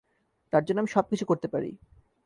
তার জন্য আমি সবকিছু করতে পারি।